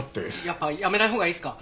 やっぱ辞めないほうがいいすか？